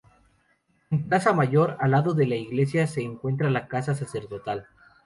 En la Plaza Mayor, al lado de la iglesia, se encuentra la casa sacerdotal.